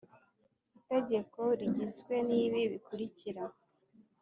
Itegeko rigizwe n’ibi bikurikira